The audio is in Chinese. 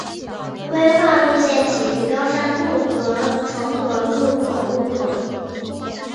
规划路线起于高铁路和重和路口路口。